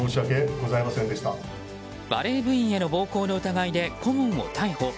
バレー部員への暴行の疑いで顧問を逮捕。